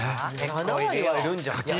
７割はいるんじゃ。